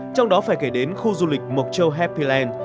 trong đó phải kể đến khu du lịch mộc châu happyland